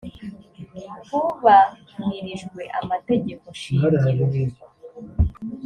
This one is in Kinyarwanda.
hubahirijwe amategekoshingiro.